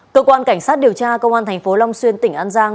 cơ quan cảnh sát điều tra công an thành phố long xuyên tỉnh an giang